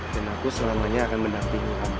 dan aku selamanya akan mendampingi kamu